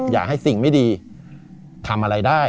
อย่าให้สิ่งไม่ดีทำอะไรได้